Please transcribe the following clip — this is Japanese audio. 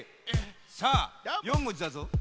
さあ４文字だぞ。